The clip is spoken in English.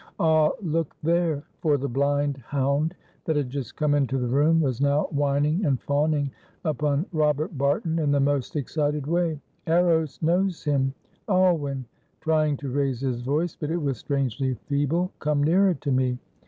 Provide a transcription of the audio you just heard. Ah, look there!" for the blind hound that had just come into the room was now whining and fawning upon Robert Barton in the most excited way. "Eros knows him. Alwyn," trying to raise his voice, but it was strangely feeble "come nearer to me.